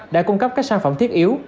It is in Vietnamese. đã cung cấp các sản phẩm thiết yếu